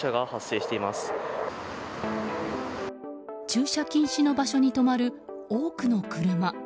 駐車禁止の場所に止まる多くの車。